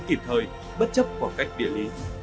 kịp thời bất chấp bằng cách địa lý